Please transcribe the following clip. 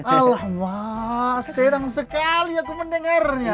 alhamdulillah serang sekali aku mendengarnya